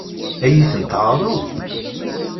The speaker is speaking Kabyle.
Ad iyi-ten-teɛṛeḍ?